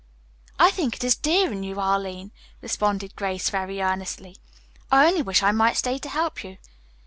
"I think it is dear in you, Arline," responded Grace very earnestly. "I only wish I might stay to help you.